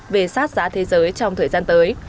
về sát giá thế giới trong thời gian tới